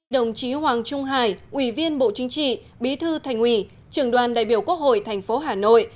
đồng chí hoàng trung hải ủy viên bộ chính trị bí thư thành ủy trường đoàn đại biểu quốc hội thành phố hà nội